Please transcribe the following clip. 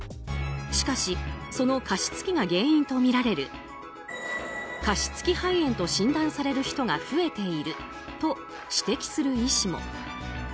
しかしその加湿器が原因とみられる加湿器肺炎と診断される人が増えていると指摘する医師も。